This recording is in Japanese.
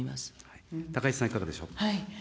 高市さん、いかがでしょうか。